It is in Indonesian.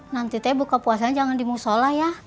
nanti teh buka puasanya jangan dimusola ya